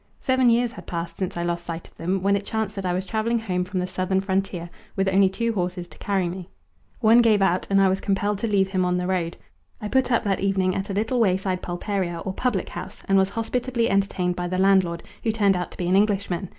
Seven years had passed since I lost sight of them, when it chanced that I was travelling home from the southern frontier, with only two horses to carry me. One gave out, and I was compelled to leave him on the road. I put up that evening at a little wayside pulperia, or public house, and was hospitably entertained by the landlord, who turned out to be an Englishman.